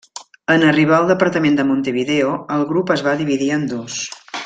En arribar al departament de Montevideo, el grup es va dividir en dos.